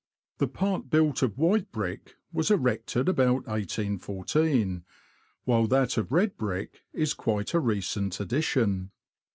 The part built of white brick was erected about 18 1 4, while that of red brick is quite a recent addition.